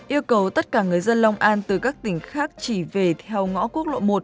yêu cầu tất cả người dân long an từ các tỉnh khác chỉ về theo ngõ quốc lộ một